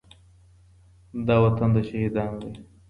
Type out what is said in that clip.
دا وطن د شهيدانو دی.